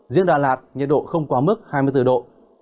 riêng đà lạt nhiệt độ không quá mức hai mươi bốn độ